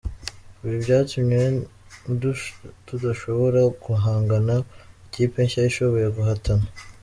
"Ibi byatumye tudashobora guhanga ikipe nshya ishoboye guhatana.